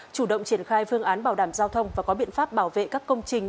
chủ động triển khai phương án bảo đảm giao thông và có biện pháp bảo vệ các công trình